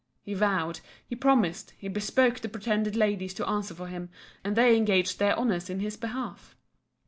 He vowed, he promised, he bespoke the pretended ladies to answer for him; and they engaged their honours in his behalf.